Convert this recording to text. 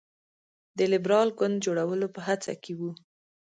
د لېبرال ګوند جوړولو په هڅه کې وو.